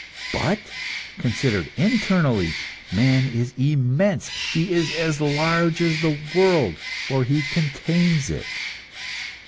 But, considered internally, man is immense; he is as large as the world, for he contains it.